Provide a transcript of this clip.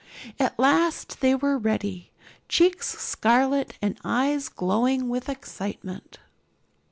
At last they were ready, cheeks scarlet and eyes glowing with excitement.